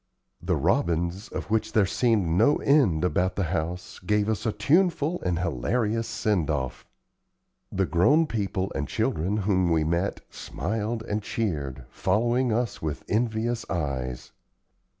The robins, of which there seemed no end about the house, gave us a tuneful and hilarious send off; the grown people and children whom we met smiled and cheered, following us with envious eyes.